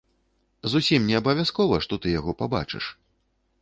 Зусім неабавязкова, што ты яго пабачыш.